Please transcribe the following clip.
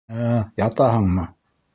Ә-ә, ятаһыңмы?